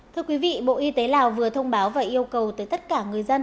thưa quý vị bộ y tế lào vừa thông báo và yêu cầu tới tất cả người dân